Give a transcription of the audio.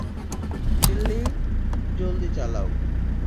ডিল্লি, জলদি চালাও।